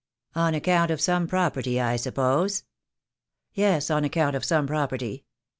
"On account of some property, I suppose?" "Yes, on account of some property.